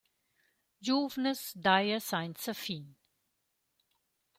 Giuvnas daja sainza fin.»